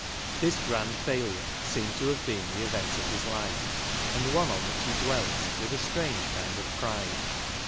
Tliis grand failure seemed to have been the event of his life, and one on which he dwelt with a strange kind of pride.